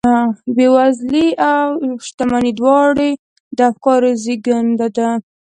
بېوزلي او شتمني دواړې د افکارو زېږنده دي